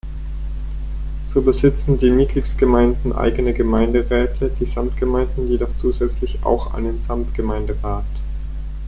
So besitzen die Mitgliedsgemeinden eigene Gemeinderäte, die Samtgemeinden jedoch zusätzlich auch einen Samtgemeinderat.